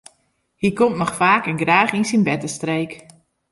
Hy komt noch faak en graach yn syn bertestreek.